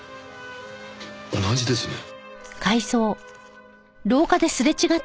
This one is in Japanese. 同じですね。